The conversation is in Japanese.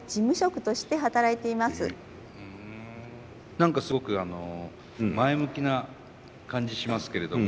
何かすごく前向きな感じしますけれども。